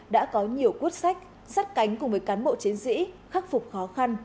đã có nhiều quyết sách sát cánh cùng với cán bộ chiến sĩ khắc phục khó khăn